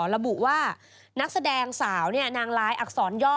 ระบุว่านักแสดงสาวนางร้ายอักษรย่อ